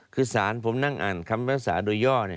คือสารผมนั่งอ่านคำพิพากษาโดยย่อ